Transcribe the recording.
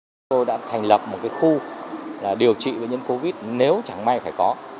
chúng tôi đã thành lập một khu điều trị bệnh nhân covid nếu chẳng may phải có